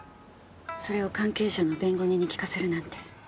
それを関係者の弁護人に聞かせるなんて。